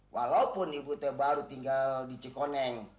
walaupun ibu teh baru tinggal di cikoneng